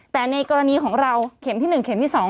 แต่ในกรณีของเราเข็มที่๑เข็มที่๒